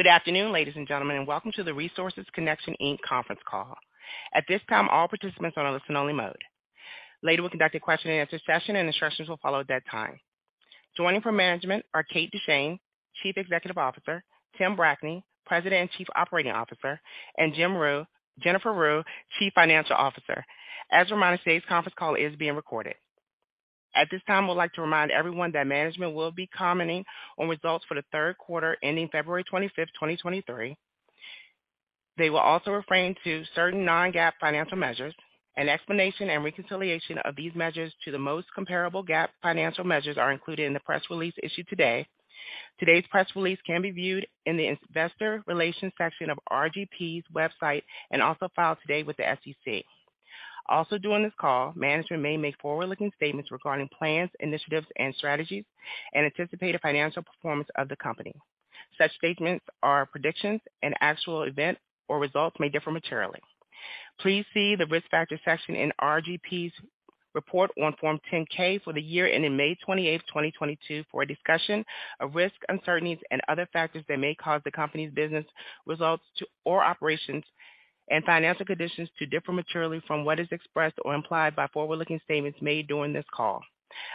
Good afternoon, ladies and gentlemen, and welcome to the Resources Connection, Inc. Conference Call. At this time, all participants are on a listen-only mode. Later, we'll conduct a question-and-answer session and instructions will follow at that time. Joining from management are Kate Duchene, Chief Executive Officer, Tim Brackney, President and Chief Operating Officer, and Jennifer Ryu, Chief Financial Officer. As a reminder, today's conference call is being recorded. At this time, we'd like to remind everyone that management will be commenting on results for the Q3 ending February 25, 2023. They will also refrain to certain non-GAAP financial measures. An explanation and reconciliation of these measures to the most comparable GAAP financial measures are included in the press release issued today. Today's press release can be viewed in the investor relations section of RGP's website and also filed today with the SEC. During this call, management may make forward-looking statements regarding plans, initiatives, and strategies and anticipated financial performance of the company. Such statements are predictions and actual events or results may differ materially. Please see the Risk Factors section in RGP's report on Form 10-K for the year ending May 28, 2022 for a discussion of risks, uncertainties, and other factors that may cause the company's business results or operations and financial conditions to differ materially from what is expressed or implied by forward-looking statements made during this call.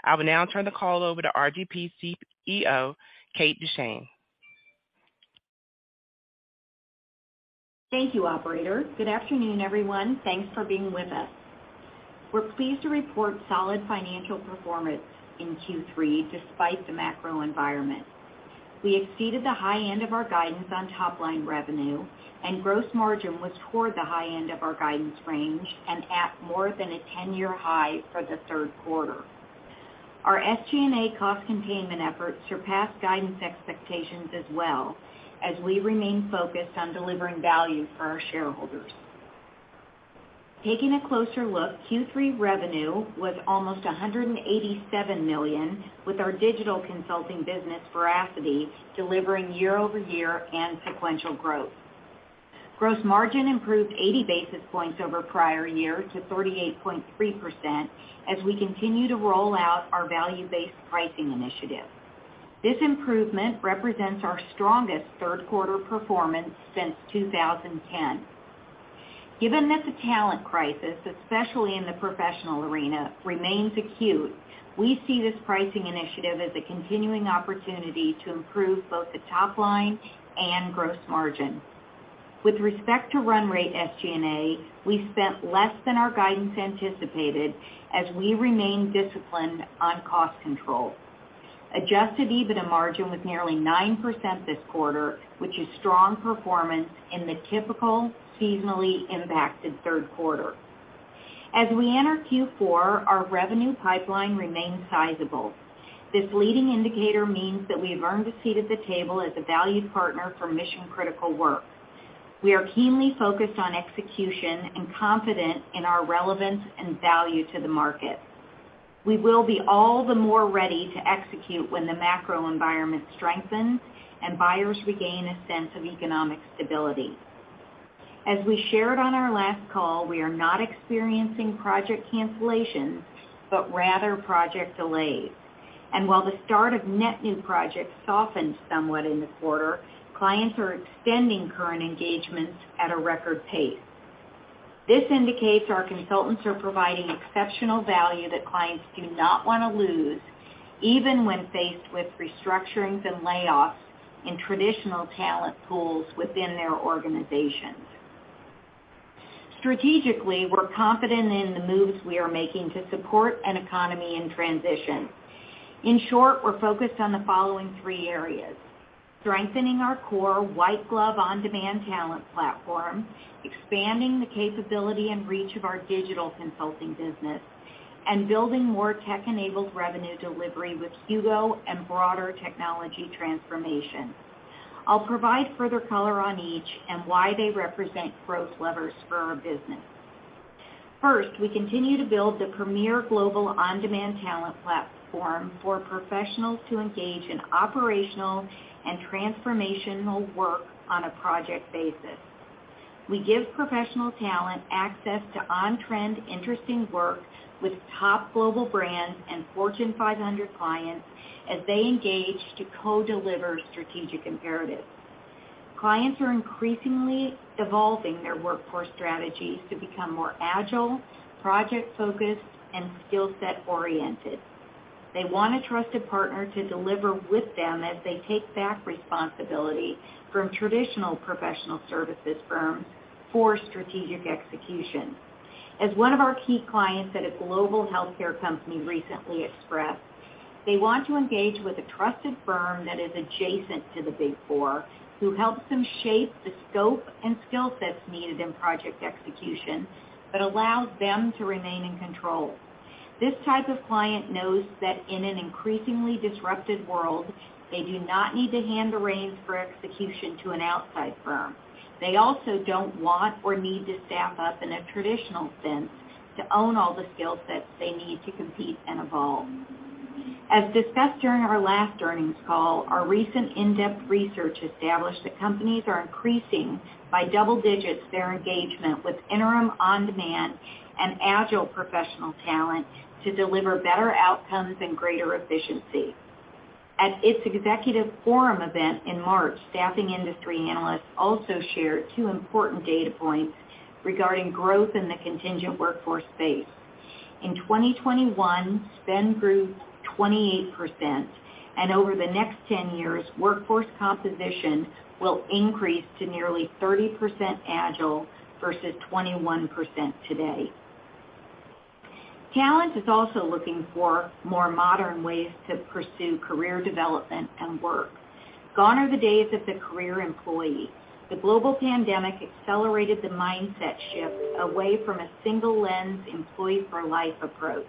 I will now turn the call over to RGP's CEO, Kate Duchene. Thank you, operator. Good afternoon, everyone. Thanks for being with us. We're pleased to report solid financial performance in Q3 despite the macro environment. We exceeded the high end of our guidance on top-line revenue and gross margin was toward the high end of our guidance range and at more than a 10-year high for the Q1. Our SG&A cost containment efforts surpassed guidance expectations as well as we remain focused on delivering value for our shareholders. Taking a closer look, Q3 revenue was almost $187 million, with our digital consulting business, Veracity, delivering year-over-year and sequential growth. Gross margin improved 80 basis points over prior year to 38.3% as we continue to roll out our value-based pricing initiative. This improvement represents our strongest Q1 performance since 2010. Given that the talent crisis, especially in the professional arena, remains acute, we see this pricing initiative as a continuing opportunity to improve both the top line and gross margin. With respect to run rate SG&A, we spent less than our guidance anticipated as we remain disciplined on cost control. Adjusted EBITDA margin was nearly 9% this quarter, which is strong performance in the typical seasonally impacted Q1. As we enter Q4, our revenue pipeline remains sizable. This leading indicator means that we've earned a seat at the table as a valued partner for mission-critical work. We are keenly focused on execution and confident in our relevance and value to the market. We will be all the more ready to execute when the macro environment strengthens and buyers regain a sense of economic stability. As we shared on our last call, we are not experiencing project cancellations, but rather project delays. While the start of net new projects softened somewhat in the quarter, clients are extending current engagements at a record pace. This indicates our consultants are providing exceptional value that clients do not want to lose, even when faced with restructurings and layoffs in traditional talent pools within their organizations. Strategically, we're confident in the moves we are making to support an economy in transition. In short, we're focused on the following three areas: strengthening our core white-glove on-demand talent platform, expanding the capability and reach of our digital consulting business, and building more tech-enabled revenue delivery with HUGO and broader technology transformation. I'll provide further color on each and why they represent growth levers for our business. First, we continue to build the premier global on-demand talent platform for professionals to engage in operational and transformational work on a project basis. We give professional talent access to on-trend interesting work with top global brands and Fortune 500 clients as they engage to co-deliver strategic imperatives. Clients are increasingly evolving their workforce strategies to become more agile, project-focused, and skill set-oriented. They want a trusted partner to deliver with them as they take back responsibility from traditional professional services firms for strategic execution. As one of our key clients at a global healthcare company recently expressed, they want to engage with a trusted firm that is adjacent to the Big Four, who helps them shape the scope and skill sets needed in project execution, but allows them to remain in control. This type of client knows that in an increasingly disrupted world, they do not need to hand the reins for execution to an outside firm. They also don't want or need to staff up in a traditional sense to own all the skill sets they need to compete and evolve. As discussed during our last earnings call, our recent in-depth research established that companies are increasing by double digits their engagement with interim on-demand and agile professional talent to deliver better outcomes and greater efficiency. At its executive forum event in March, Staffing Industry Analysts also shared two important data points regarding growth in the contingent workforce space. In 2021, spend grew 28%. Over the next 10 years, workforce composition will increase to nearly 30% agile versus 21% today. Talent is also looking for more modern ways to pursue career development and work. Gone are the days of the career employee. The global pandemic accelerated the mindset shift away from a single-lens employee for life approach.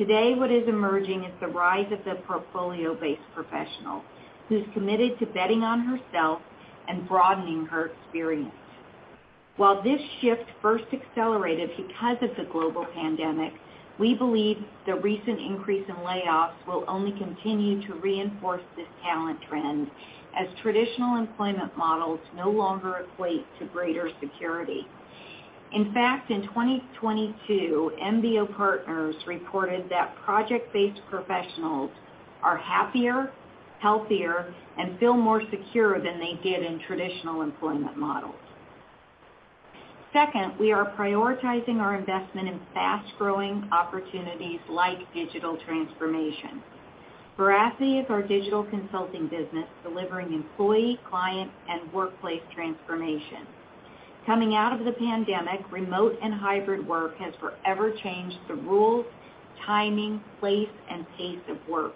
Today, what is emerging is the rise of the portfolio-based professional who's committed to betting on herself and broadening her experience. While this shift first accelerated because of the global pandemic, we believe the recent increase in layoffs will only continue to reinforce this talent trend as traditional employment models no longer equate to greater security. In fact, in 2022, MBO Partners reported that project-based professionals are happier, healthier, and feel more secure than they did in traditional employment models. Second, we are prioritizing our investment in fast-growing opportunities like digital transformation. Veracity is our digital consulting business delivering employee, client, and workplace transformation. Coming out of the pandemic, remote and hybrid work has forever changed the rules, timing, place, and pace of work.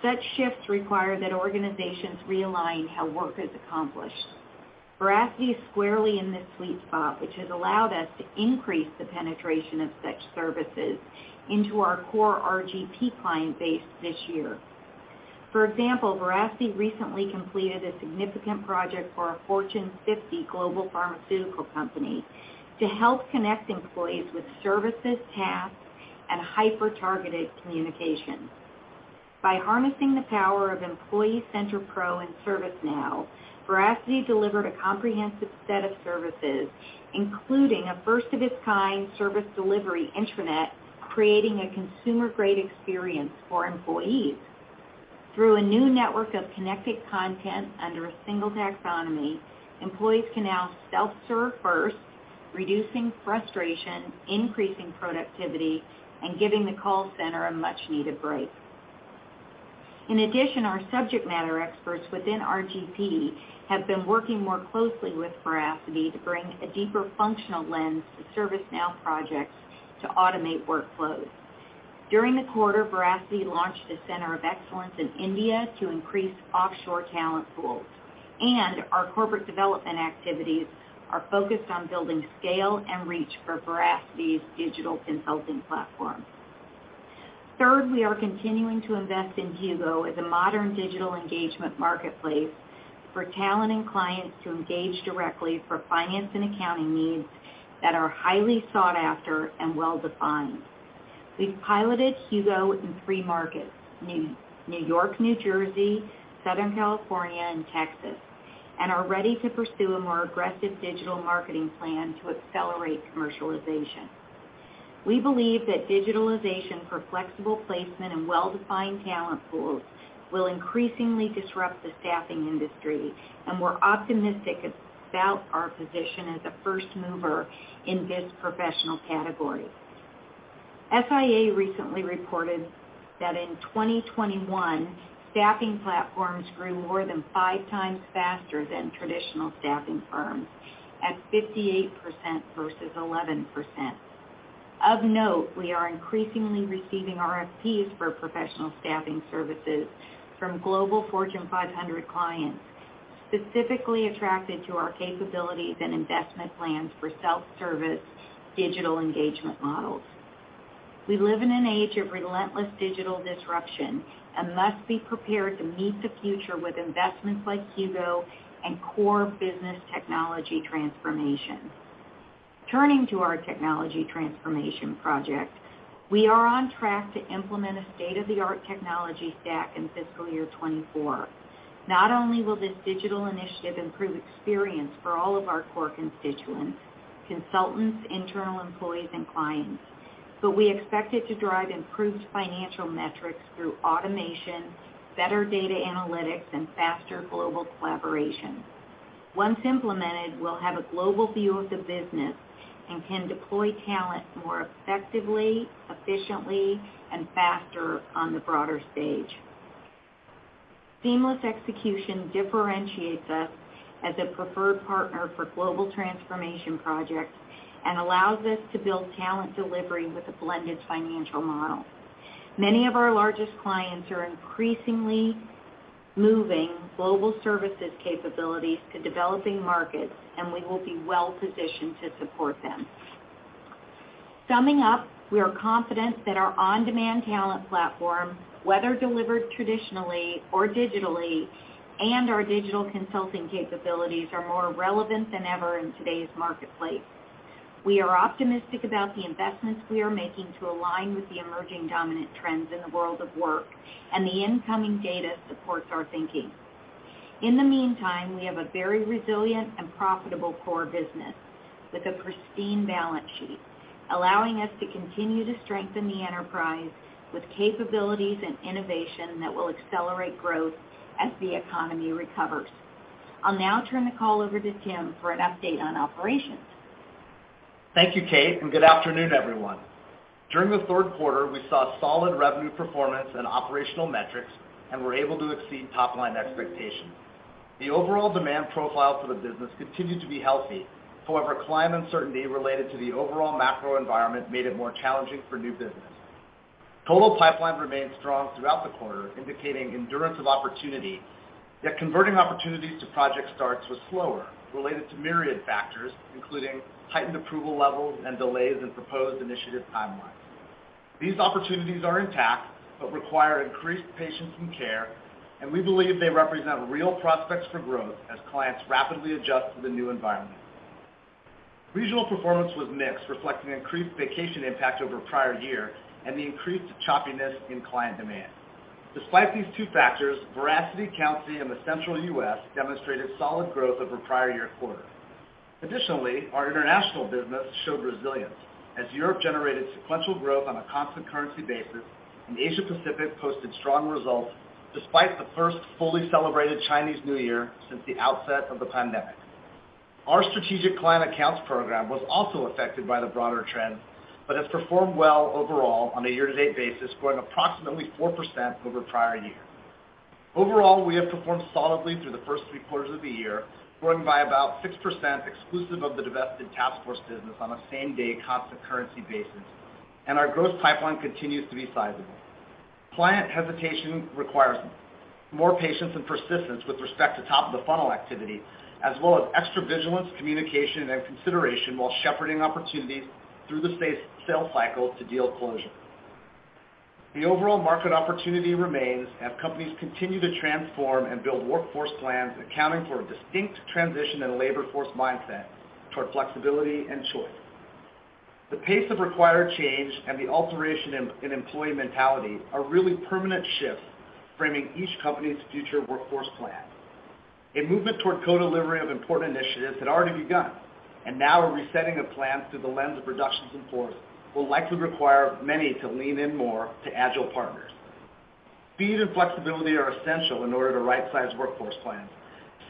Such shifts require that organizations realign how work is accomplished. Veracity is squarely in this sweet spot, which has allowed us to increase the penetration of such services into our core RGP client base this year. For example, Veracity recently completed a significant project for a Fortune 50 global pharmaceutical company to help connect employees with services, tasks, and hyper-targeted communication. By harnessing the power of Employee Center Pro and ServiceNow, Veracity delivered a comprehensive set of services, including a first-of-its-kind service delivery intranet, creating a consumer-grade experience for employees. Through a new network of connected content under a single taxonomy, employees can now self-serve first, reducing frustration, increasing productivity, and giving the call center a much-needed break. Our subject matter experts within RGP have been working more closely with Veracity to bring a deeper functional lens to ServiceNow projects to automate workflows. During the quarter, Veracity launched a Center of Excellence in India to increase offshore talent pools. Our corporate development activities are focused on building scale and reach for Veracity's digital consulting platform. Third, we are continuing to invest in HUGO as a modern digital engagement marketplace for talent and clients to engage directly for finance and accounting needs that are highly sought after and well-defined. We've piloted HUGO in three markets, New York, New Jersey, Southern California, and Texas, and are ready to pursue a more aggressive digital marketing plan to accelerate commercialization. We believe that digitalization for flexible placement and well-defined talent pools will increasingly disrupt the staffing industry, and we're optimistic about our position as a first mover in this professional category. SIA recently reported that in 2021, staffing platforms grew more than 5 times faster than traditional staffing firms at 58% versus 11%. Of note, we are increasingly receiving RFPs for professional staffing services from global Fortune 500 clients, specifically attracted to our capabilities and investment plans for self-service digital engagement models. We live in an age of relentless digital disruption and must be prepared to meet the future with investments like HUGO and core business technology transformation. Turning to our technology transformation project, we are on track to implement a state-of-the-art technology stack in fiscal year 2024. Not only will this digital initiative improve experience for all of our core constituents, consultants, internal employees, and clients, but we expect it to drive improved financial metrics through automation, better data analytics, and faster global collaboration. Once implemented, we'll have a global view of the business and can deploy talent more effectively, efficiently, and faster on the broader stage. Seamless execution differentiates us as a preferred partner for global transformation projects and allows us to build talent delivery with a blended financial model. Many of our largest clients are increasingly moving global services capabilities to developing markets, and we will be well-positioned to support them. Summing up, we are confident that our on-demand talent platform, whether delivered traditionally or digitally, and our digital consulting capabilities are more relevant than ever in today's marketplace. We are optimistic about the investments we are making to align with the emerging dominant trends in the world of work, and the incoming data supports our thinking. In the meantime, we have a very resilient and profitable core business with a pristine balance sheet, allowing us to continue to strengthen the enterprise with capabilities and innovation that will accelerate growth as the economy recovers. I'll now turn the call over to Tim for an update on operations. Thank you, Kate. Good afternoon, everyone. During the Q1, we saw solid revenue performance and operational metrics, and were able to exceed top-line expectations. The overall demand profile for the business continued to be healthy. However, client uncertainty related to the overall macro environment made it more challenging for new business. Total pipeline remained strong throughout the quarter, indicating endurance of opportunity. Converting opportunities to project starts was slower, related to myriad factors, including heightened approval levels and delays in proposed initiative timelines. These opportunities are intact but require increased patience and care, and we believe they represent real prospects for growth as clients rapidly adjust to the new environment. Regional performance was mixed, reflecting increased vacation impact over prior year and the increased choppiness in client demand. Despite these two factors, Veracity, Countsy, and the Central U.S. demonstrated solid growth over prior year quarter. Additionally, our international business showed resilience as Europe generated sequential growth on a constant currency basis, and Asia Pacific posted strong results despite the first fully celebrated Chinese New Year since the outset of the pandemic. Our strategic client accounts program was also affected by the broader trend, but has performed well overall on a year-to-date basis, growing approximately 4% over prior year. Overall, we have performed solidly through the first three quarters of the year, growing by about 6% exclusive of the divested taskforce business on a same-day constant currency basis, and our growth pipeline continues to be sizable. Client hesitation requires more patience and persistence with respect to top-of-the-funnel activity, as well as extra vigilance, communication, and consideration while shepherding opportunities through the sales cycle to deal closure. The overall market opportunity remains as companies continue to transform and build workforce plans, accounting for a distinct transition in labor force mindset toward flexibility and choice. The pace of required change and the alteration in employee mentality are really permanent shifts framing each company's future workforce plan. A movement toward co-delivery of important initiatives had already begun, and now a resetting of plans through the lens of reductions in force will likely require many to lean in more to agile partners. Speed and flexibility are essential in order to right-size workforce plans,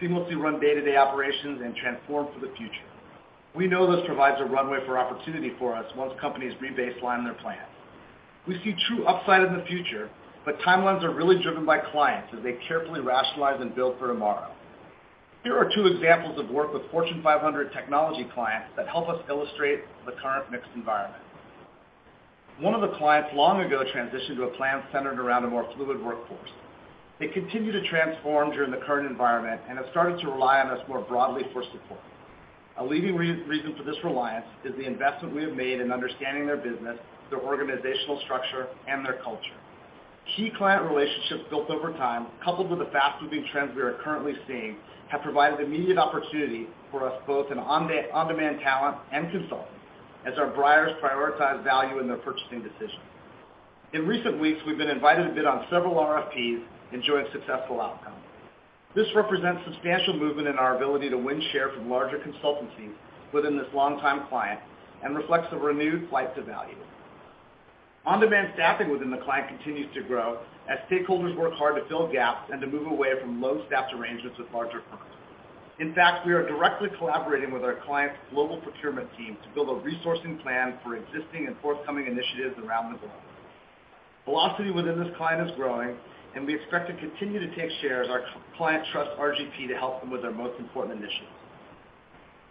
seamlessly run day-to-day operations, and transform for the future. We know this provides a runway for opportunity for us once companies rebaseline their plans. We see true upside in the future, but timelines are really driven by clients as they carefully rationalize and build for tomorrow. Here are two examples of work with Fortune 500 technology clients that help us illustrate the current mixed environment. One of the clients long ago transitioned to a plan centered around a more fluid workforce. They continued to transform during the current environment and have started to rely on us more broadly for support. A leading reason for this reliance is the investment we have made in understanding their business, their organizational structure, and their culture. Key client relationships built over time, coupled with the fast-moving trends we are currently seeing, have provided immediate opportunity for us both in on-demand talent and consultants as our buyers prioritize value in their purchasing decisions. In recent weeks, we've been invited to bid on several RFPs, enjoying successful outcomes. This represents substantial movement in our ability to win share from larger consultancies within this long-time client and reflects a renewed flight to value. On-demand staffing within the client continues to grow as stakeholders work hard to fill gaps and to move away from low-staffed arrangements with larger firms. We are directly collaborating with our client's global procurement team to build a resourcing plan for existing and forthcoming initiatives around the globe. Veracity within this client is growing and we expect to continue to take share as our client trusts RGP to help them with their most important initiatives.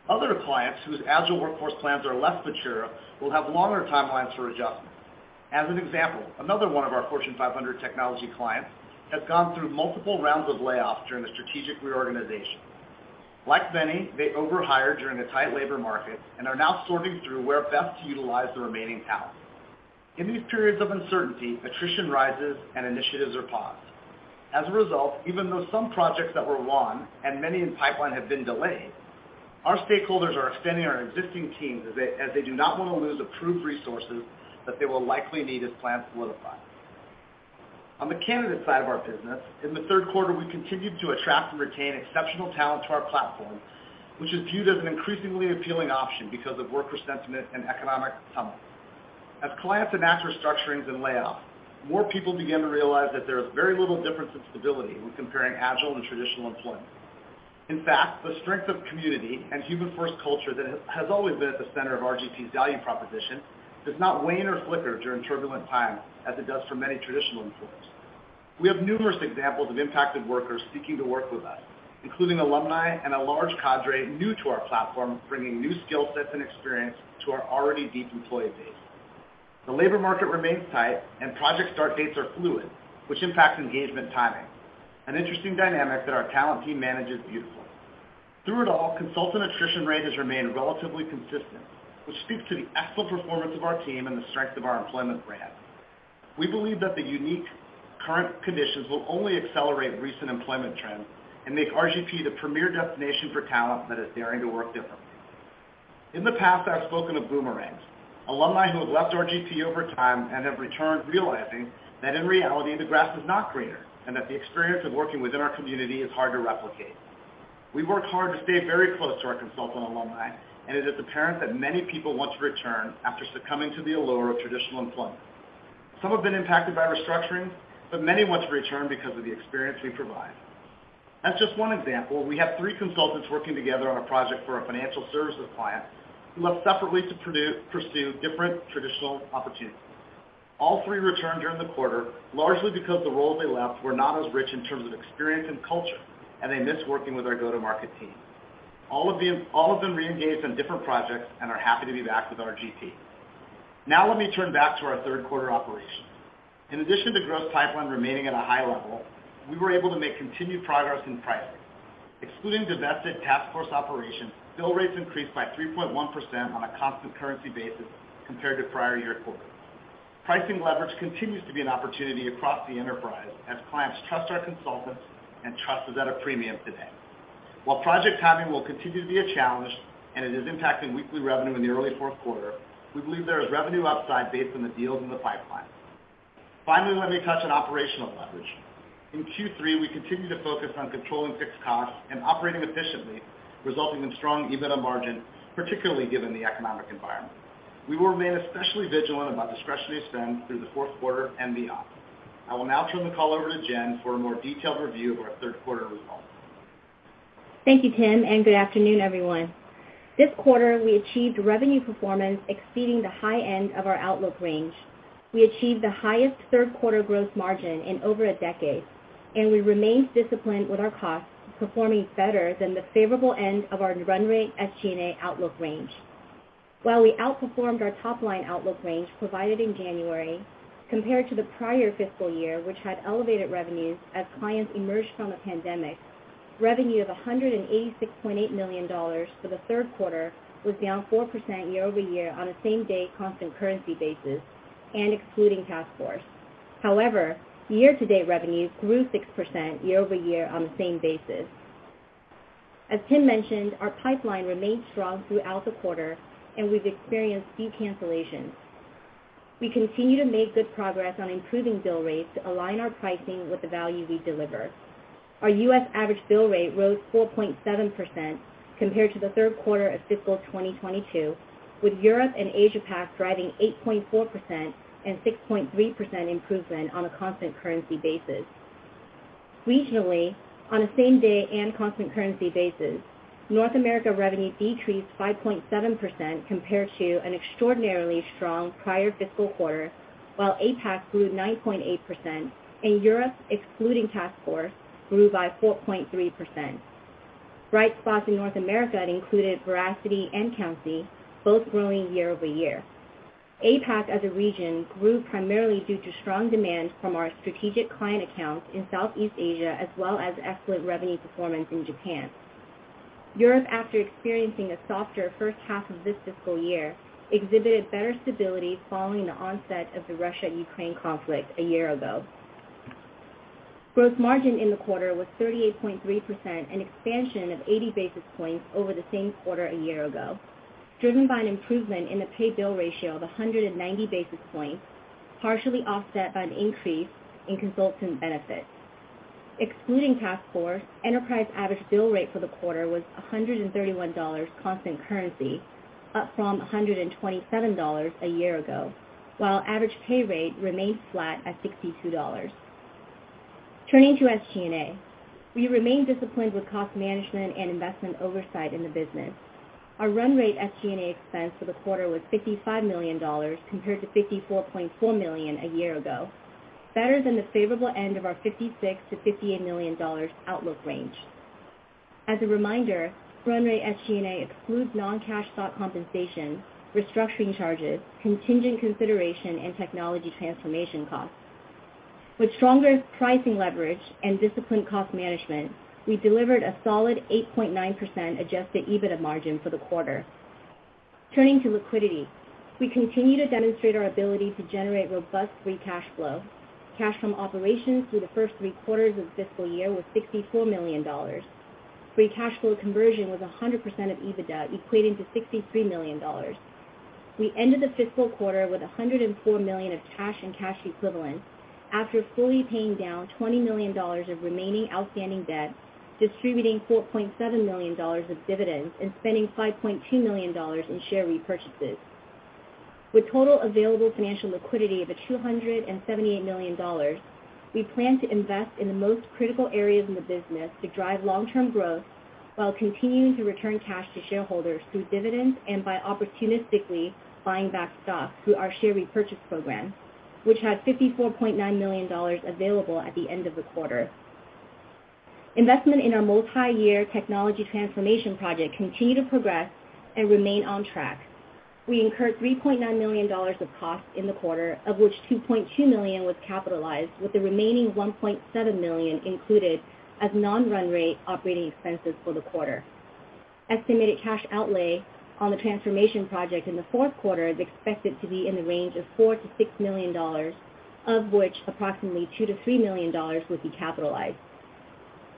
Other clients whose agile workforce plans are less mature will have longer timelines for adjustment. Another one of our Fortune 500 technology clients has gone through multiple rounds of layoffs during a strategic reorganization. Like many, they overhired during a tight labor market and are now sorting through where best to utilize the remaining talent. In these periods of uncertainty, attrition rises and initiatives are paused. As a result, even though some projects that were won and many in pipeline have been delayed, our stakeholders are extending our existing teams as they do not want to lose approved resources that they will likely need as plans solidify. On the candidate side of our business, in the Q1, we continued to attract and retain exceptional talent to our platform, which is viewed as an increasingly appealing option because of worker sentiment and economic tumult. As clients enact restructurings and layoffs, more people begin to realize that there is very little difference in stability when comparing agile and traditional employment. In fact, the strength of community and human-first culture that has always been at the center of RGP's value proposition does not wane or flicker during turbulent times as it does for many traditional employers. We have numerous examples of impacted workers seeking to work with us, including alumni and a large cadre new to our platform, bringing new skill sets and experience to our already deep employee base. The labor market remains tight and project start dates are fluid, which impacts engagement timing, an interesting dynamic that our talent team manages beautifully. Through it all, consultant attrition rate has remained relatively consistent, which speaks to the excellent performance of our team and the strength of our employment brand. We believe that the unique current conditions will only accelerate recent employment trends and make RGP the premier destination for talent that is daring to work differently. In the past, I've spoken of boomerangs, alumni who have left RGP over time and have returned realizing that in reality, the grass is not greener, and that the experience of working within our community is hard to replicate. We work hard to stay very close to our consultant alumni. It is apparent that many people want to return after succumbing to the allure of traditional employment. Some have been impacted by restructuring. Many want to return because of the experience we provide. As just one example, we have three consultants working together on a project for a financial services client who left separately to pursue different traditional opportunities. All three returned during the quarter, largely because the roles they left were not as rich in terms of experience and culture, and they missed working with our go-to-market team. All of them reengaged on different projects and are happy to be back with RGP. Now let me turn back to our Q1 operations. In addition to growth pipeline remaining at a high level, we were able to make continued progress in pricing. Excluding divested taskforce operations, bill rates increased by 3.1% on a constant currency basis compared to prior year quarter. Pricing leverage continues to be an opportunity across the enterprise as clients trust our consultants and trust is at a premium today. While project timing will continue to be a challenge, and it is impacting weekly revenue in the early Q4, we believe there is revenue upside based on the deals in the pipeline. Finally, let me touch on operational leverage. In Q3, we continued to focus on controlling fixed costs and operating efficiently, resulting in strong EBITDA margin, particularly given the economic environment. We will remain especially vigilant about discretionary spend through the Q4 and beyond. I will now turn the call over to Jen for a more detailed review of our Q1 results. Thank you, Tim, and good afternoon, everyone. This quarter, we achieved revenue performance exceeding the high end of our outlook range. We achieved the highest Q1 growth margin in over a decade, and we remained disciplined with our costs, performing better than the favorable end of our run rate SG&A outlook range. While we outperformed our top-line outlook range provided in January, compared to the prior fiscal year, which had elevated revenues as clients emerged from the pandemic, revenue of $186.8 million for the Q1 was down 4% year-over-year on a same-day constant currency basis and excluding taskforce. However, year-to-date revenue grew 6% year-over-year on the same basis. As Tim mentioned, our pipeline remained strong throughout the quarter, and we've experienced few cancellations. We continue to make good progress on improving bill rates to align our pricing with the value we deliver. Our U.S. average bill rate rose 4.7% compared to the Q1 of fiscal 2022, with Europe and APAC driving 8.4% and 6.3% improvement on a constant currency basis. Regionally, on a same-day and constant currency basis, North America revenue decreased 5.7% compared to an extraordinarily strong prior fiscal quarter, while APAC grew 9.8% and Europe, excluding taskforce, grew by 4.3%. Bright spots in North America included Veracity and Countsy, both growing year-over-year. APAC as a region grew primarily due to strong demand from our strategic client accounts in Southeast Asia, as well as excellent revenue performance in Japan. Europe, after experiencing a softer H1 of this fiscal year, exhibited better stability following the onset of the Russia-Ukraine conflict a year ago. Gross margin in the quarter was 38.3%, an expansion of 80 basis points over the same quarter a year ago, driven by an improvement in the pay-bill ratio of 190 basis points, partially offset by an increase in consultant benefits. Excluding taskforce, enterprise average bill rate for the quarter was $131 constant currency, up from $127 a year ago, while average pay rate remained flat at $62. Turning to SG&A, we remain disciplined with cost management and investment oversight in the business. Our run rate SG&A expense for the quarter was $55 million, compared to $54.4 million a year ago, better than the favorable end of our $56 million-$58 million outlook range. As a reminder, run rate SG&A excludes non-cash stock compensation, restructuring charges, contingent consideration, and technology transformation costs. With stronger pricing leverage and disciplined cost management, we delivered a solid 8.9% adjusted EBITDA margin for the quarter. Turning to liquidity, we continue to demonstrate our ability to generate robust free cash flow. Cash from operations through the first three quarters of the fiscal year was $64 million. Free cash flow conversion was 100% of EBITDA, equating to $63 million. We ended the fiscal quarter with $104 million of cash and cash equivalents after fully paying down $20 million of remaining outstanding debt, distributing $4.7 million of dividends, and spending $5.2 million in share repurchases. With total available financial liquidity of $278 million, we plan to invest in the most critical areas in the business to drive long-term growth while continuing to return cash to shareholders through dividends and by opportunistically buying back stock through our share repurchase program, which had $54.9 million available at the end of the quarter. Investment in our multiyear technology transformation project continue to progress and remain on track. We incurred $3.9 million of costs in the quarter, of which $2.2 million was capitalized, with the remaining $1.7 million included as non-run rate operating expenses for the quarter. Estimated cash outlay on the transformation project in the Q4 is expected to be in the range of $4 million-$6 million, of which approximately $2 million-$3 million will be capitalized.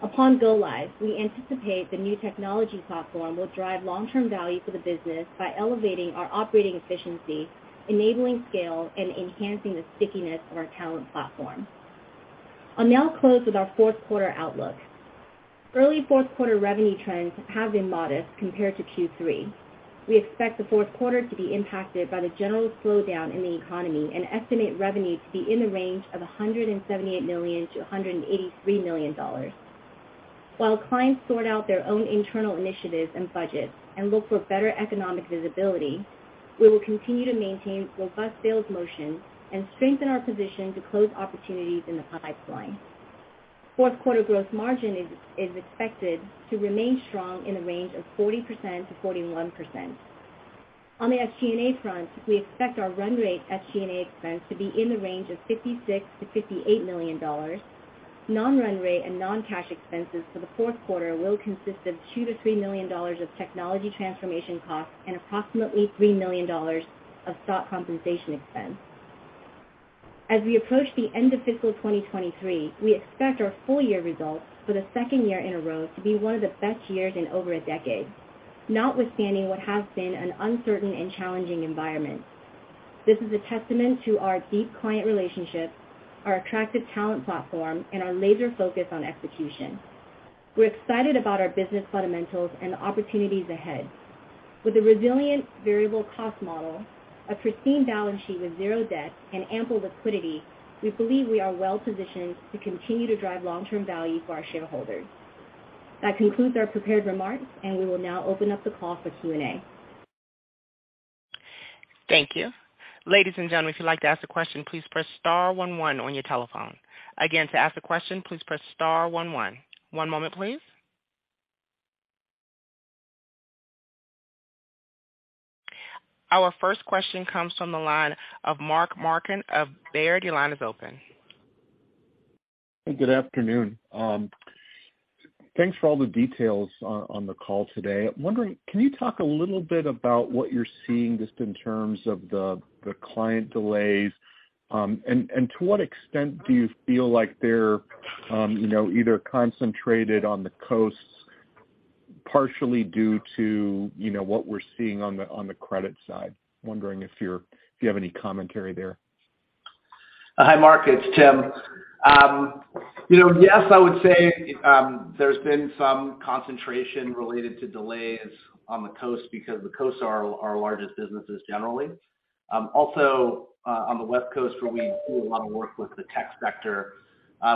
Upon go live, we anticipate the new technology platform will drive long-term value for the business by elevating our operating efficiency, enabling scale, and enhancing the stickiness of our talent platform. I'll now close with our Q4 outlook. Early Q4 revenue trends have been modest compared to Q3. We expect the Q4 to be impacted by the general slowdown in the economy and estimate revenue to be in the range of $178 million-$183 million. While clients sort out their own internal initiatives and budgets and look for better economic visibility, we will continue to maintain robust sales motion and strengthen our position to close opportunities in the pipeline. Q4 growth margin is expected to remain strong in the range of 40%-41%. On the SG&A front, we expect our run rate SG&A expense to be in the range of $56 million-$58 million. Non-run rate and non-cash expenses for the Q4 will consist of $2 million-$3 million of technology transformation costs and approximately $3 million of stock compensation expense. As we approach the end of fiscal 2023, we expect our full year results for the second year in a row to be one of the best years in over a decade, notwithstanding what has been an uncertain and challenging environment. This is a testament to our deep client relationships, our attractive talent platform, and our laser focus on execution. We're excited about our business fundamentals and the opportunities ahead. With a resilient variable cost model, a pristine balance sheet with zero debt, and ample liquidity, we believe we are well-positioned to continue to drive long-term value for our shareholders. That concludes our prepared remarks, and we will now open up the call for Q&A. Thank you. Ladies and gentlemen, if you'd like to ask a question, please press star one, one on your telephone. Again, to ask a question, please press star one, one. One moment, please. Our first question comes from the line of Mark Marcon of Baird. Your line is open. Good afternoon. Thanks for all the details on the call today. I'm wondering, can you talk a little bit about what you're seeing just in terms of the client delays, and to what extent do you feel like they're, you know, either concentrated on the coasts partially due to, you know, what we're seeing on the credit side? I'm wondering if you have any commentary there? Hi, Mark, it's Tim. you know, yes, I would say, there's been some concentration related to delays on the coast because the coasts are our largest businesses generally. On the West Coast, where we do a lot of work with the tech sector,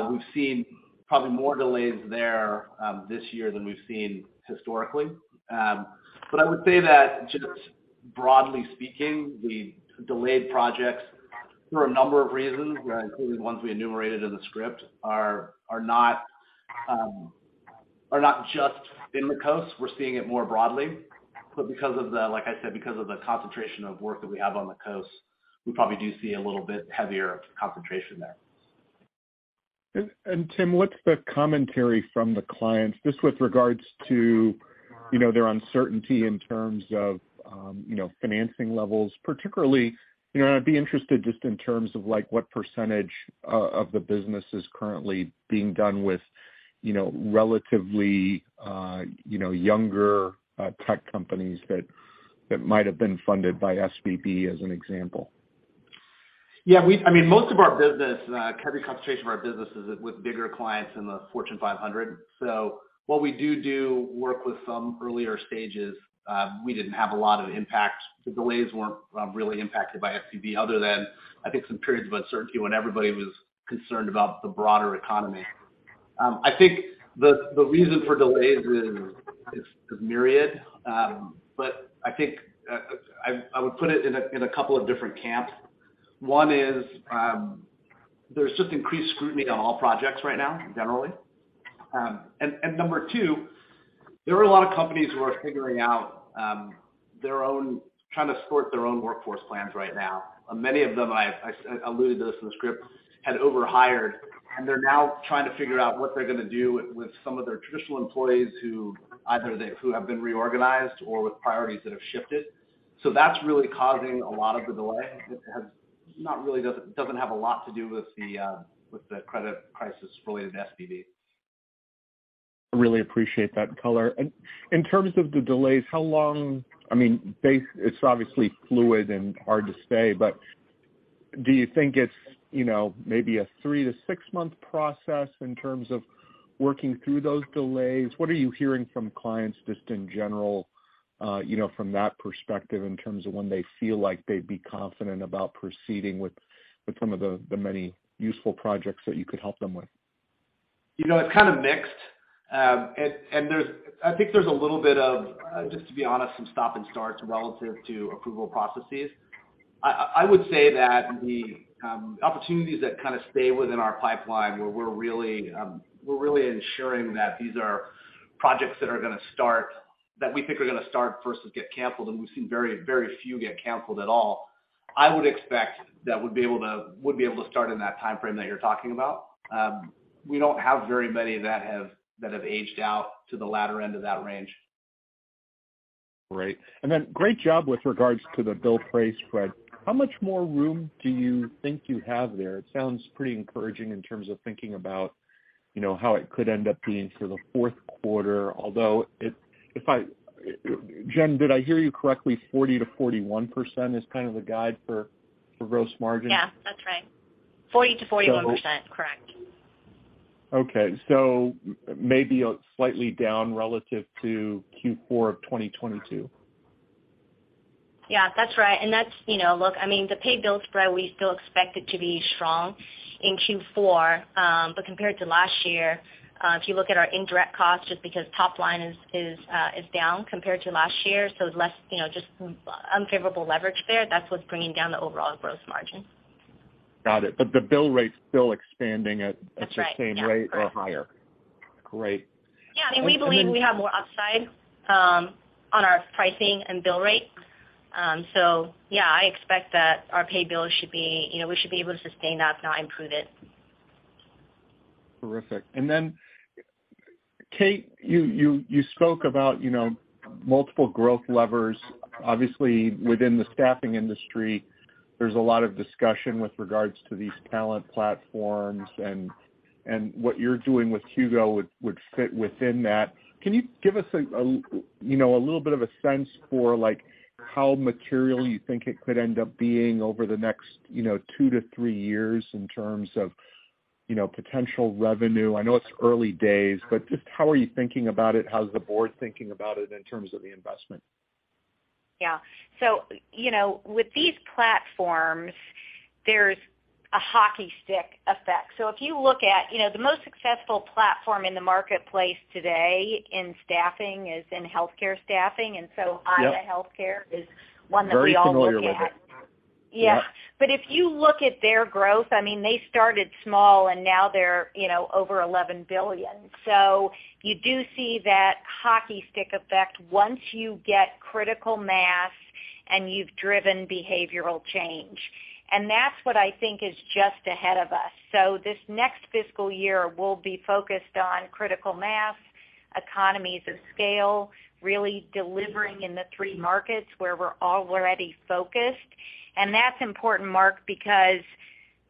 we've seen probably more delays there this year than we've seen historically. I would say that just broadly speaking, the delayed projects, for a number of reasons, including the ones we enumerated in the script, are not just in the coast. We're seeing it more broadly. Because of the, like I said, because of the concentration of work that we have on the coast, we probably do see a little bit heavier concentration there. Tim, what's the commentary from the clients, just with regards to, you know, their uncertainty in terms of, you know, financing levels? Particularly, you know, I'd be interested just in terms of, like, what percentage of the business is currently being done with, you know, relatively, you know, younger, tech companies that might have been funded by SVB, as an example. I mean, most of our business, carry concentration of our business is with bigger clients in the Fortune 500. While we do work with some earlier stages, we didn't have a lot of impact. The delays weren't really impacted by SVB other than, I think, some periods of uncertainty when everybody was concerned about the broader economy. I think the reason for delays is myriad, but I think, I would put it in a, in a couple of different camps. One is, there's just increased scrutiny on all projects right now, generally. Number two, there are a lot of companies who are figuring out, trying to support their own workforce plans right now. Many of them, I alluded to this in the script, had over hired, they're now trying to figure out what they're gonna do with some of their traditional employees who either have been reorganized or with priorities that have shifted. That's really causing a lot of the delay. It doesn't have a lot to do with the credit crisis related to SVB. I really appreciate that color. In terms of the delays, I mean, it's obviously fluid and hard to say, but do you think it's, you know, maybe a three to six-month process in terms of working through those delays? What are you hearing from clients just in general, you know, from that perspective in terms of when they feel like they'd be confident about proceeding with some of the many useful projects that you could help them with? You know, it's kind of mixed. I think there's a little bit of just to be honest, some stop and starts relative to approval processes. I would say that the opportunities that kind of stay within our pipeline, where we're really ensuring that these are projects that we think are gonna start versus get canceled, and we've seen very, very few get canceled at all. I would expect would be able to start in that timeframe that you're talking about. We don't have very many that have aged out to the latter end of that range. Great. Great job with regards to the bill price spread. How much more room do you think you have there? It sounds pretty encouraging in terms of thinking about, you know, how it could end up being for the Q4. Although if I, Jen, did I hear you correctly, 40%-41% is kind of the guide for gross margin? Yeah, that's right. 40%-41%. So- Correct. Maybe slightly down relative to Q4 of 2022. Yeah, that's right. That's, you know, look, I mean, the pay bill spread, we still expect it to be strong in Q4. Compared to last year, if you look at our indirect costs, just because top line is down compared to last year, so less, you know, just unfavorable leverage there, that's what's bringing down the overall gross margin. Got it. The bill rate's still expanding at- That's right.... at the same rate or higher. Great. Yeah. We believe we have more upside, on our pricing and bill rate. Yeah, I expect that our pay bill should be, you know, we should be able to sustain that, if not improve it. Terrific. Then, Kate, you spoke about, you know, multiple growth levers. Obviously, within the staffing industry, there's a lot of discussion with regards to these talent platforms and what you're doing with HUGO would fit within that. Can you give us a little bit of a sense for, like, how material you think it could end up being over the next, you know, two to three years in terms of, you know, potential revenue? I know it's early days, but just how are you thinking about it? How's the board thinking about it in terms of the investment? Yeah. you know, with these platforms, there's a hockey stick effect. if you look at, you know, the most successful platform in the marketplace today in staffing is in healthcare staffing. Yep Aya Healthcare is one that we all look at. Very familiar with it. Yeah. Yeah. If you look at their growth, I mean, they started small, and now they're, you know, over $11 billion. You do see that hockey stick effect once you get critical mass and you've driven behavioral change. That's what I think is just ahead of us. This next fiscal year will be focused on critical mass, economies of scale, really delivering in the three markets where we're already focused. That's important, Mark, because,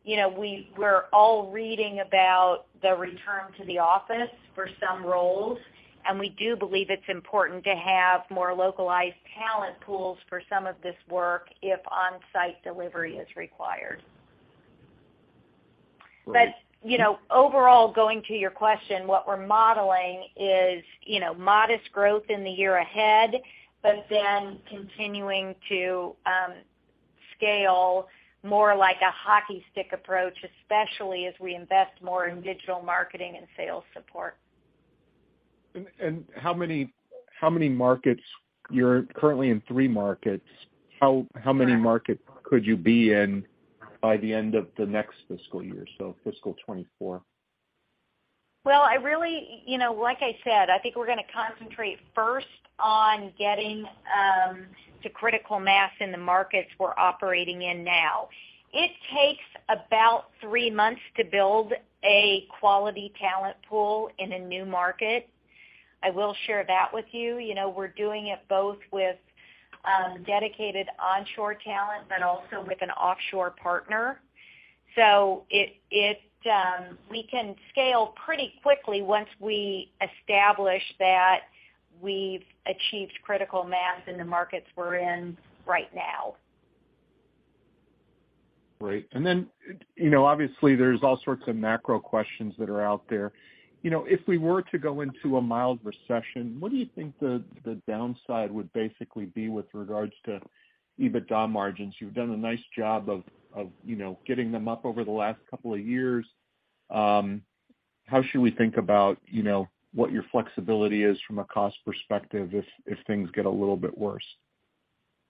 you know, we're all reading about the return to the office for some roles, and we do believe it's important to have more localized talent pools for some of this work if on-site delivery is required. Great. You know, overall, going to your question, what we're modeling is, you know, modest growth in the year ahead, but then continuing to scale more like a hockey stick approach, especially as we invest more in digital marketing and sales support. How many markets? You're currently in three markets. How many markets could you be in by the end of the next fiscal year, so fiscal 2024? Well, I really, you know, like I said, I think we're gonna concentrate first on getting to critical mass in the markets we're operating in now. It takes about three months to build a quality talent pool in a new market. I will share that with you. You know, we're doing it both with dedicated onshore talent, but also with an offshore partner. It, we can scale pretty quickly once we establish that we've achieved critical mass in the markets we're in right now. Great. You know, obviously there's all sorts of macro questions that are out there. You know, if we were to go into a mild recession, what do you think the downside would basically be with regards to EBITDA margins? You've done a nice job of, you know, getting them up over the last couple of years. How should we think about, you know, what your flexibility is from a cost perspective if things get a little bit worse?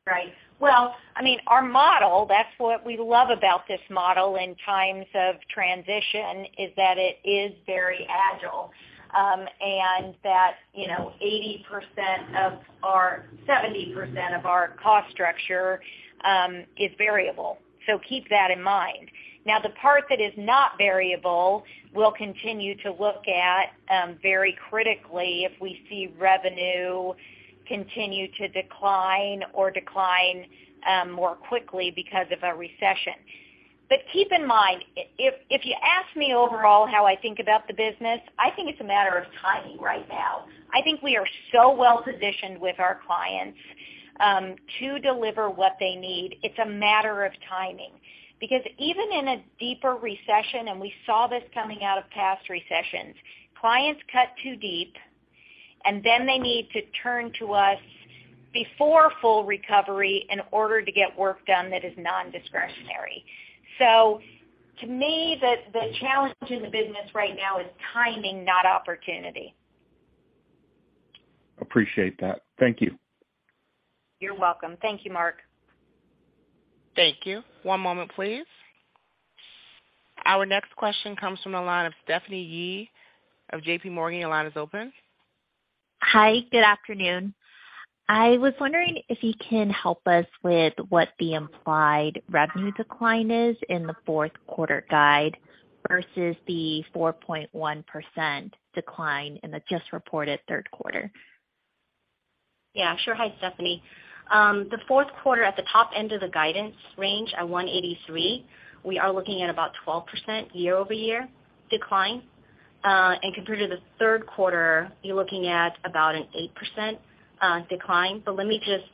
Right. Well, I mean, our model, that's what we love about this model in times of transition, is that it is very agile, and that, you know, 70% of our cost structure is variable. Keep that in mind. Now, the part that is not variable, we'll continue to look at very critically if we see revenue continue to decline or decline more quickly because of a recession. Keep in mind, if you ask me overall how I think about the business, I think it's a matter of timing right now. I think we are so well-positioned with our clients to deliver what they need. It's a matter of timing. Even in a deeper recession, and we saw this coming out of past recessions, clients cut too deep, and then they need to turn to us before full recovery in order to get work done that is nondiscretionary. To me, the challenge in the business right now is timing, not opportunity. Appreciate that. Thank you. You're welcome. Thank you, Mark. Thank you. One moment, please. Our next question comes from the line of Stephanie Yee of JPMorgan. Your line is open. Hi. Good afternoon. I was wondering if you can help us with what the implied revenue decline is in the Q4 guide versus the 4.1% decline in the just reported Q1? Yeah, sure. Hi, Stephanie. The Q4 at the top end of the guidance range at $183, we are looking at about 12% year-over-year decline. Compared to the Q1, you're looking at about an 8% decline. Let me just,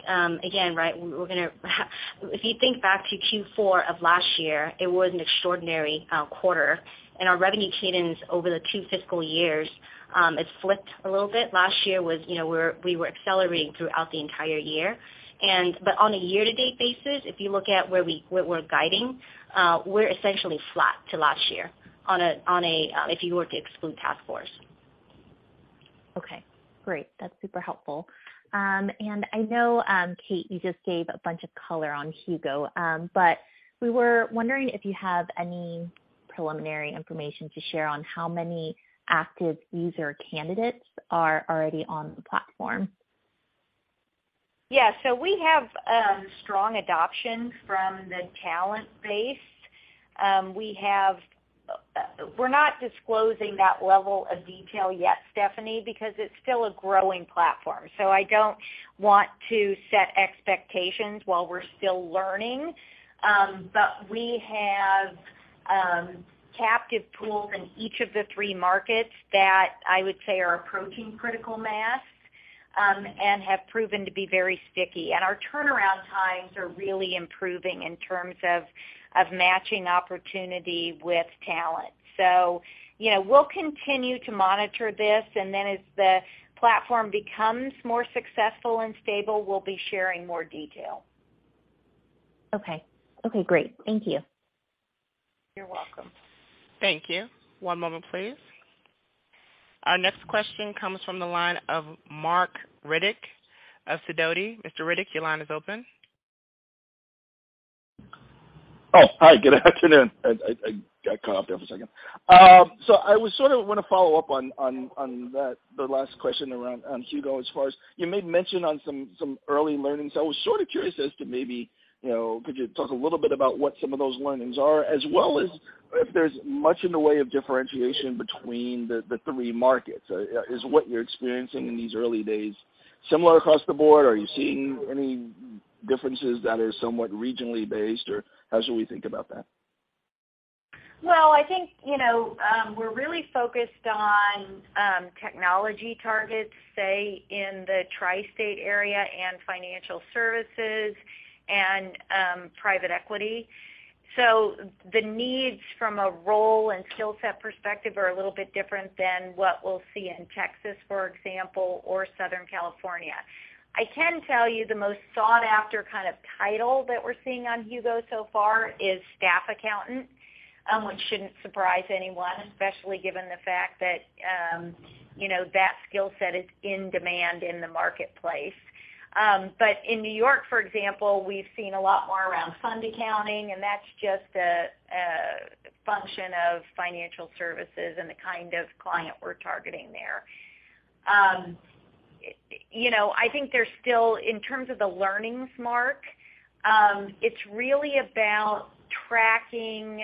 again, right, if you think back to Q4 of last year, it was an extraordinary quarter, and our revenue cadence over the two fiscal years, it's flipped a little bit. Last year was, you know, we were accelerating throughout the entire year. On a year-to-date basis, if you look at where we're guiding, we're essentially flat to last year if you were to exclude taskforce. Okay, great. That's super helpful. I know, Kate, you just gave a bunch of color on HUGO, but we were wondering if you have any preliminary information to share on how many active user candidates are already on the platform. We have strong adoption from the talent base. We're not disclosing that level of detail yet, Stephanie, because it's still a growing platform. I don't want to set expectations while we're still learning. But we have captive pools in each of the three markets that I would say are approaching critical mass and have proven to be very sticky. Our turnaround times are really improving in terms of matching opportunity with talent. You know, we'll continue to monitor this, and then as the platform becomes more successful and stable, we'll be sharing more detail. Okay. Okay, great. Thank you. You're welcome. Thank you. One moment, please. Our next question comes from the line of Marc Riddick of Sidoti. Mr. Riddick, your line is open. Oh, hi. Good afternoon. I got cut off there for a second. I was sort of want to follow up on that, the last question around, on HUGO as far as you made mention on some early learnings. I was sort of curious as to maybe, you know, could you talk a little bit about what some of those learnings are, as well as if there's much in the way of differentiation between the three markets? Is what you're experiencing in these early days similar across the board, or are you seeing any differences that are somewhat regionally based, or how should we think about that? I think, you know, we're really focused on technology targets, say, in the tri-state area and financial services and private equity. The needs from a role and skill set perspective are a little bit different than what we'll see in Texas, for example, or Southern California. I can tell you the most sought-after kind of title that we're seeing on HUGO so far is staff accountant, which shouldn't surprise anyone, especially given the fact that, you know, that skill set is in demand in the marketplace. In New York, for example, we've seen a lot more around fund accounting, and that's just a function of financial services and the kind of client we're targeting there. You know, I think there's still, in terms of the learnings, Mark, it's really about tracking,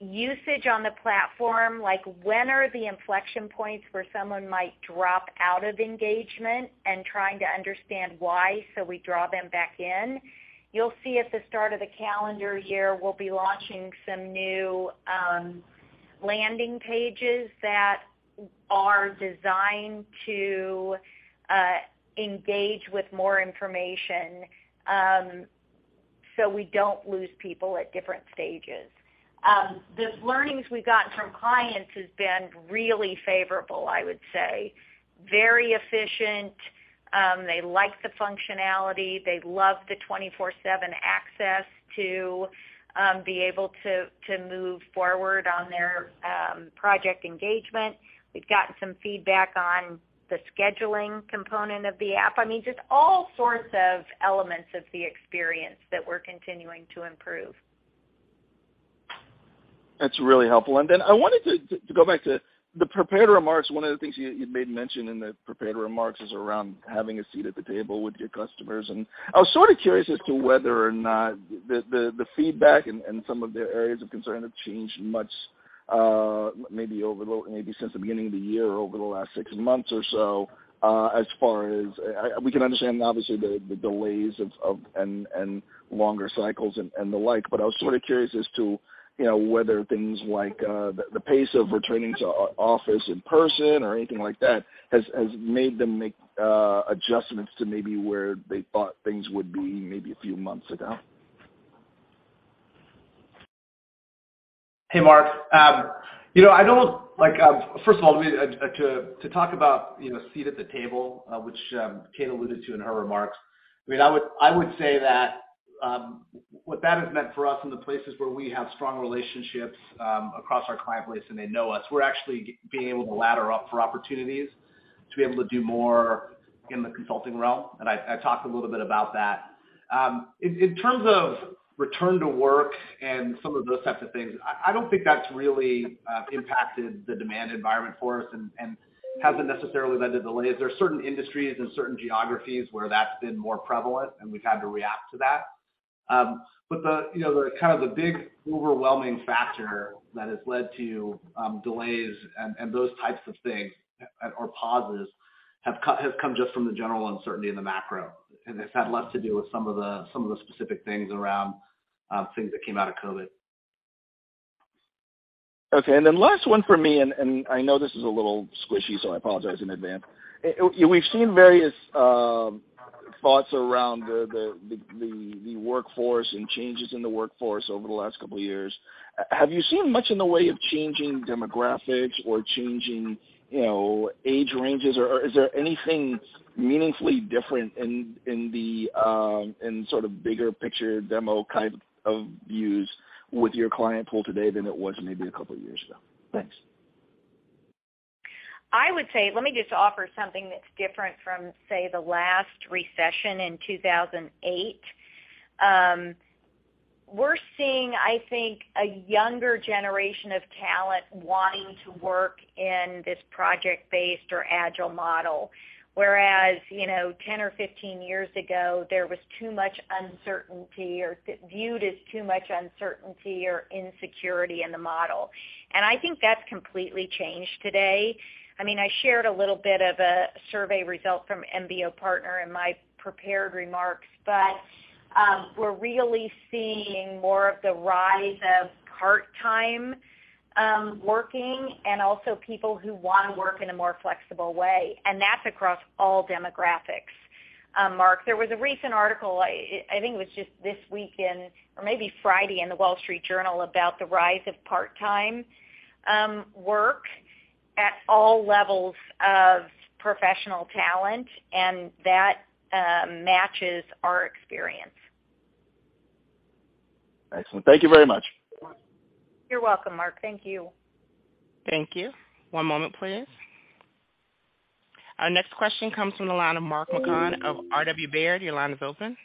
usage on the platform, like when are the inflection points where someone might drop out of engagement and trying to understand why so we draw them back in. You'll see at the start of the calendar year, we'll be launching some new, landing pages that are designed to, engage with more information, so we don't lose people at different stages. The learnings we've gotten from clients has been really favorable, I would say. Very efficient, they like the functionality, they love the 24/7 access to, be able to move forward on their, project engagement. We've gotten some feedback on the scheduling component of the app. I mean, just all sorts of elements of the experience that we're continuing to improve. That's really helpful. Then I wanted to go back to the prepared remarks. One of the things you made mention in the prepared remarks is around having a seat at the table with your customers. I was sort of curious as to whether or not the feedback and some of their areas of concern have changed much maybe since the beginning of the year or over the last six months or so, as far as... We can understand obviously the delays of and longer cycles and the like. I was sort of curious as to, you know, whether things like, the pace of returning to office in person or anything like that has made them make adjustments to maybe where they thought things would be maybe a few months ago. Hey, Mark. You know, I don't like, first of all, to talk about, you know, seat at the table, which Kate alluded to in her remarks. I mean, I would say that what that has meant for us in the places where we have strong relationships, across our client base and they know us, we're actually being able to ladder up for opportunities to be able to do more in the consulting realm. I talked a little bit about that. In terms of return to work and some of those types of things, I don't think that's really impacted the demand environment for us and hasn't necessarily led to delays. There are certain industries and certain geographies where that's been more prevalent, and we've had to react to that. But the, you know, the kind of the big overwhelming factor that has led to delays and those types of things or pauses has come just from the general uncertainty in the macro, and it's had less to do with some of the specific things around things that came out of COVID. Okay, last one for me. I know this is a little squishy, I apologize in advance. We've seen various thoughts around the workforce and changes in the workforce over the last couple of years. Have you seen much in the way of changing demographics or changing, you know, age ranges or is there anything meaningfully different in the sort of bigger picture demo kind of views with your client pool today than it was maybe a couple of years ago? Thanks. I would say, let me just offer something that's different from, say, the last recession in 2008. We're seeing, I think, a younger generation of talent wanting to work in this project-based or agile model, whereas, you know, 10 or 15 years ago, there was too much uncertainty or viewed as too much uncertainty or insecurity in the model. I think that's completely changed today. I mean, I shared a little bit of a survey result from MBO Partners in my prepared remarks, but we're really seeing more of the rise of part-time, working and also people who wanna work in a more flexible way. That's across all demographics, Mark. There was a recent article, I think it was just this weekend or maybe Friday in The Wall Street Journal about the rise of part-time work at all levels of professional talent, and that matches our experience. Excellent. Thank you very much. You're welcome, Marc. Thank you. Thank you. One moment, please. Our next question comes from the line of Mark Marcon of Robert W. Baird. Your line is open.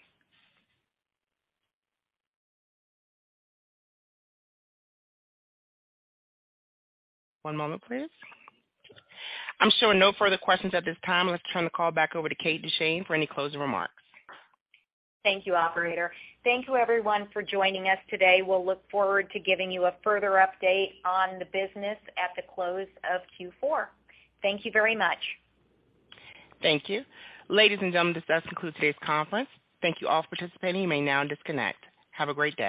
One moment, please. I'm showing no further questions at this time. Let's turn the call back over to Kate Duchene for any closing remarks. Thank you, operator. Thank you everyone for joining us today. We'll look forward to giving you a further update on the business at the close of Q4. Thank you very much. Thank you. Ladies and gentlemen, this does conclude today's conference. Thank you all for participating. You may now disconnect. Have a great day.